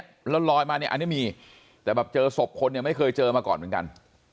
แล้วลอยมาเนี่ยอันนี้มีแต่แบบเจอศพคนเนี่ยไม่เคยเจอมาก่อนเหมือนกัน